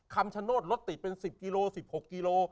คำชโนธรถติดเป็น๑๐กิโล๑๖กิโล